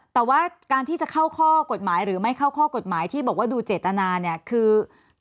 แต่ว่าการที่จะเข้าข้อกฎหมายหรือไม่เข้าข้อกฎหมายที่บอกว่าดูเจตนาเนี่ยคือ